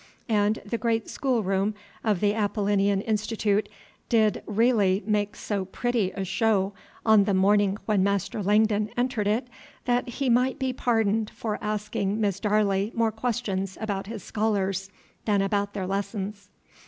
And the great schoolroom of the Apollinean Institute did really make so pretty a show on the morning when Master Langdon entered it, that he might be pardoned for asking Miss Darley more questions about his scholars than about their lessons.